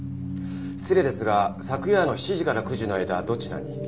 失礼ですが昨夜の７時から９時の間どちらに？